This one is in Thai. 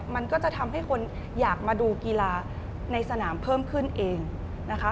มันก็จะทำให้คนอยากมาดูกีฬาในสนามเพิ่มขึ้นเองนะคะ